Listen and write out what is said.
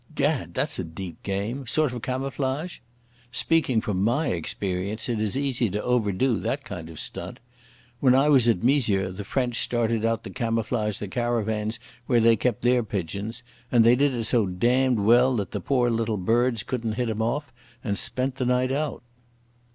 "Gad, that's a deep game. Sort of camouflage? Speaking from my experience it is easy to overdo that kind of stunt. When I was at Misieux the French started out to camouflage the caravans where they keep their pigeons, and they did it so damned well that the poor little birds couldn't hit 'em off, and spent the night out."